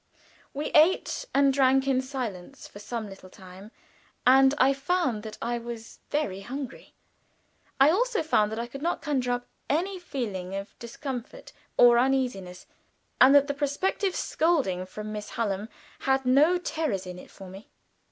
We ate and drank in silence for some little time, and I found that I was very hungry. I also found that I could not conjure up any real feeling of discomfort or uneasiness, and that the prospective scolding from Miss Hallam had no terrors in it for me.